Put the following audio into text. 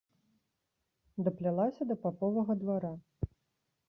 Даплялася да паповага двара.